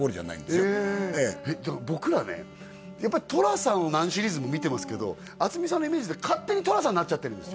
やっぱり寅さんを何シリーズも見てますけど渥美さんのイメージで勝手に寅さんになっちゃってるんですよ